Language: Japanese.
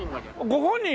ご本人。